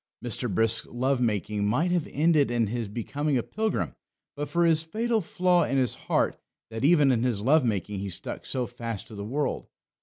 Mr. Brisk's love making might have ended in his becoming a pilgrim but for this fatal flaw in his heart, that even in his love making he stuck so fast to the world.